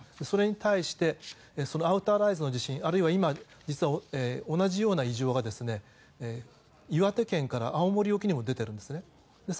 それに対したアウターライズの地震、そして今同じような異常が岩手県から青森沖にも出ているんです。